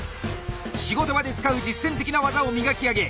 仕事場で使う実践的な技を磨き上げ